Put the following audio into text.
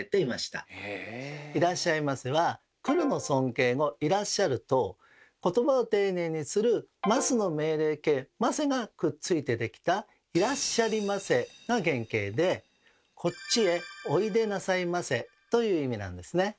「いらっしゃいませ」は「来る」の尊敬語「いらっしゃる」と言葉を丁寧にする「ます」の命令形「ませ」がくっついてできた「いらっしゃりませ」が原形で「こっちへおいでなさいませ」という意味なんですね。